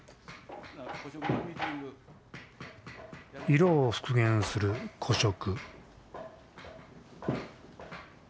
色を復元する古色。